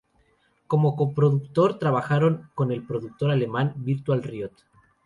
Como coproductor, trabajaron con el productor alemán Virtual Riot.